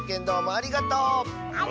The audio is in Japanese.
ありがとう！